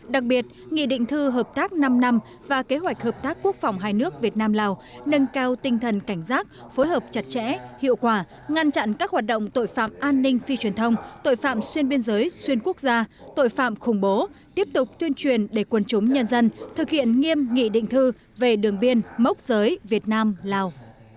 đặc biệt nghị định thư hợp tác năm năm và kế hoạch hợp tác quốc phòng hai nước việt nam lào nâng cao tinh thần cảnh giác phối hợp chặt chẽ hiệu quả ngăn chặn các hoạt động tội phạm an ninh phi truyền thông tội phạm xuyên biên giới xuyên quốc gia tội phạm khủng bố tiếp tục tuyên truyền để quân chúng nhân dân thực hiện nghiêm nghị định thư về đường biên mốc giới việt nam lào